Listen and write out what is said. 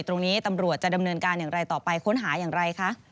ตำรวจจะดำเนินการอย่างไรต่อไปค้นหาอย่างไรคะ